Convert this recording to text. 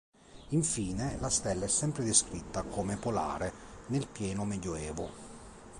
Infine, la stella è sempre descritta come "polare" nel pieno Medioevo.